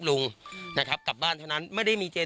ปู่มหาหมุนีบอกว่าตัวเองอสูญที่นี้ไม่เป็นไรหรอก